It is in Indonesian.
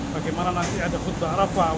bagaimana nanti ada khutbah arafah